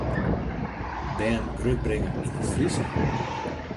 Bern grutbringe yn it Frysk?